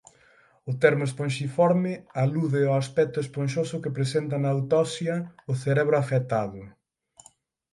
O termo esponxiforme alude ao aspecto esponxoso que presenta na autopsia o cerebro afectado.